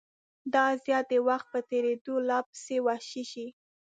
دا اذیت د وخت په تېرېدو لا پسې وحشي شي.